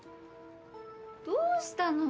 どうしたの？